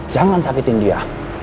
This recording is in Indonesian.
jangan sakitin dia